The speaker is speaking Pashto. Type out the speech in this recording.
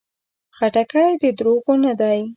خټکی د دروغو نه ده.